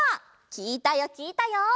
きいたよきいたよ。